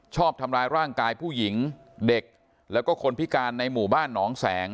ชอบทำร้ายร่างกายผู้หญิงเด็กแล้วก็คนพิการในหมู่บ้านหนองแสง